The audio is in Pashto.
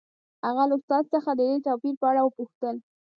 هغه له استاد څخه د دې توپیر په اړه وپوښتل